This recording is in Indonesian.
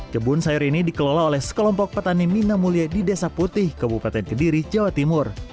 kebun sayur ini dikelola oleh sekelompok petani mina mulia di desa putih kabupaten kediri jawa timur